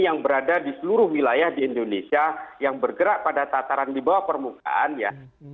yang berada di seluruh wilayah di indonesia yang bergerak pada tataran di bawah permukaan ya